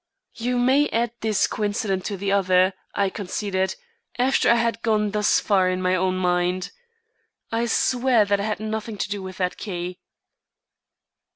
"You may add this coincidence to the other," I conceded, after I had gone thus far in my own mind. "I swear that I had nothing to do with that key."